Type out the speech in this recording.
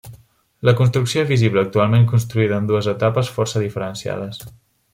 La construcció visible actualment construïda en dues etapes força diferenciades.